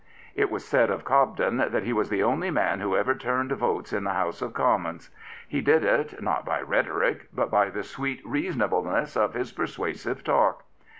It was said of Cobden that he was the only man who ever turned votes in the House of Commons. He did it, not by rhetoric, but by the sweet reasonableness of his persuasive talk.